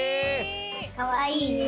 かわいいね。